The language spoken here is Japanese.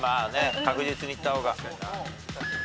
確実にいった方が。